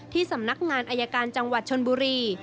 สำนักงานอายการจังหวัดชนบุรี